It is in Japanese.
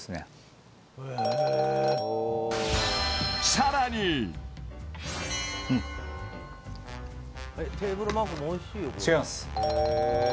さらにうん違います